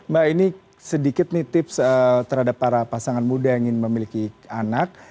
mbak ini sedikit nih tips terhadap para pasangan muda yang ingin memiliki anak